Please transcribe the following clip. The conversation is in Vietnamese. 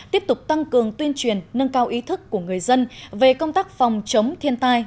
tiếp tục tăng cường tuyên truyền nâng cao ý thức của người dân về công tác phòng chống thiên tai